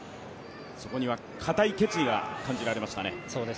そこには固い決意が感じられましたね。